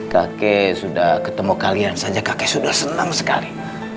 kakek sudah ketemu kalian saja kakek sudah senang sekali